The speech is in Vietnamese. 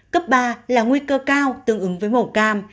cấp ba là nguy cơ cao tương ứng với màu cam